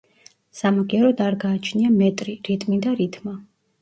სამაგიეროდ არ გააჩნია მეტრი, რიტმი და რითმა.